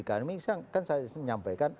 karena misalnya kan saya menyampaikan